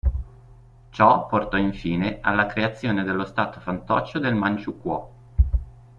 Ciò portò infine alla creazione dello stato fantoccio del Manciukuò.